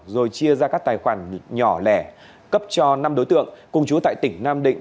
rồi chia ra các tài khoản nhỏ lẻ cấp cho năm đối tượng cùng chú tại tỉnh nam định